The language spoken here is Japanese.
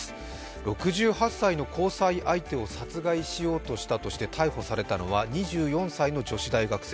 ６８歳の交際相手を殺害しようとして逮捕されたのは２４歳の女子大学生。